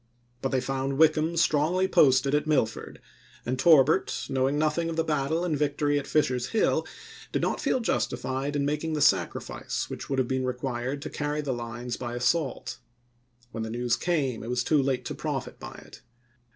But they found Wickham strongly posted at Mill 310 ABRAHAM LINCOLN ch. xiii. ford, and Torbert, knowing nothing of the battle and victory at Fisher's Hill, did not feel justified in making the sacrifice which would have been re quired to carry the lines by assault. When the news came, it was too late to profit by it.